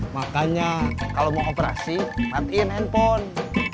makanya kalau mau operasi matiin handphone